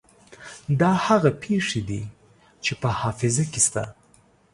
دا هغه پېښې دي چې په حافظه کې شته.